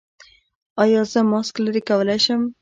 ایا زه ماسک لرې کولی شم؟